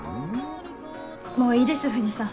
もういいです藤さん。